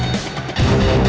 lo sudah bisa berhenti